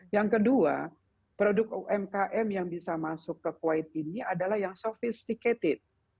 yang kedua produk umkm yang bisa masuk ke kuwait ini adalah yang sophisticated